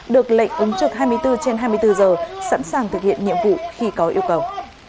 được lệnh ứng trực hai mươi bốn trên hai mươi bốn giờ sẵn sàng thực hiện nhiệm vụ khi có yêu cầu